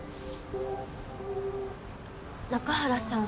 中原さん。